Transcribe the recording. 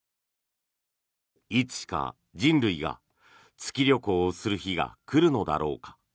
いつしか人類が月旅行をする日が来るのだろうか。